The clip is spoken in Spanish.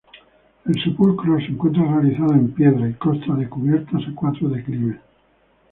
El sepulcro se encuentra realizado en piedra, y consta de cubierta a cuatro declives.